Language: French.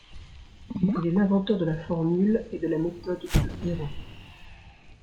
Il est l'inventeur de la formule et de la méthode de Héron.